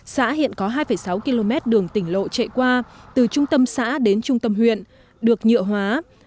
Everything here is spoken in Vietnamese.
xã hiện có hai sáu km đường tỉnh lộ chạy qua từ trung tâm xã đến trung tâm huyện được nhựa hóa